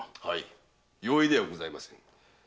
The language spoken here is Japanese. はい容易ではございません。